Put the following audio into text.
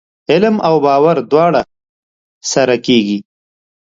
علم او باور دواړه سره کېږي ؟